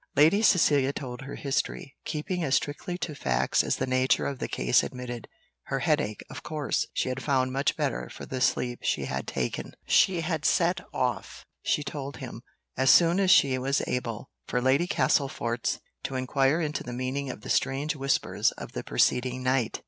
Lady Cecilia told her history, keeping as strictly to facts as the nature of the case admitted. Her headache, of course, she had found much better for the sleep she had taken. She had set off, she told him, as soon as she was able, for Lady Castlefort's, to inquire into the meaning of the strange whispers of the preceding night.